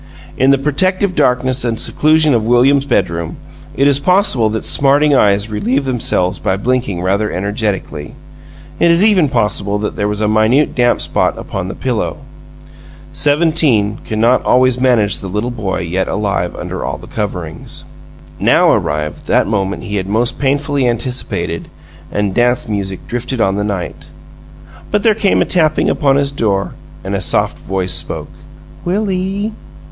In the protective darkness and seclusion of William's bedroom, it is possible that smarting eyes relieved themselves by blinking rather energetically; it is even possible that there was a minute damp spot upon the pillow. Seventeen cannot always manage the little boy yet alive under all the coverings. Now arrived that moment he had most painfully anticipated, and dance music drifted on the night; but there came a tapping upon his door and a soft voice spoke. "Will ee?"